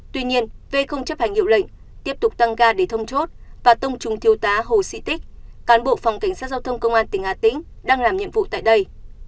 tuy nhiên v không chấp hành hiệu lệnh tiếp tục tăng ga để thông chốt và tông trúng thiêu tá hồ sĩ tích cán bộ phòng cảnh sát giao thông công an tỉnh hà tĩnh đang làm nhiệm vụ tại đây